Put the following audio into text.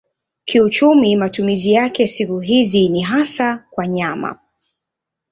Kiuchumi matumizi yake siku hizi ni hasa kwa nyama.